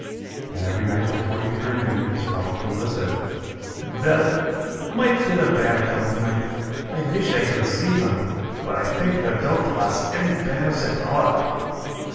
And every night before he turned in, Sparkuhle said: "Vell, might did a bear come tonight. I wish I could see one, but I think there don't vas any bears at all."